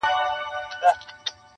تڼاکي زړه چي د ښکلا په جزيرو کي بند دی